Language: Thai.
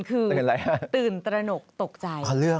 ตื่นอะไรครับตื่นตระหนกตกใจพอเรื่อง